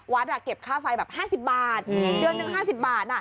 เก็บค่าไฟแบบ๕๐บาทเดือนหนึ่ง๕๐บาท